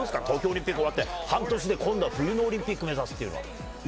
東京オリンピックが終わって半年で今度は冬のオリンピックを目指すというのは。